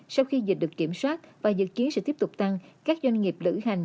sau khi dịch được kiểm soát và dự kiến sẽ tiếp tục tăng các doanh nghiệp lữ hành